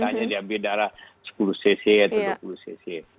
hanya diambil darah sepuluh cc atau dua puluh cc